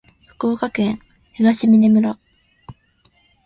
福岡県東峰村